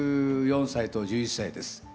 １４歳と１１歳です。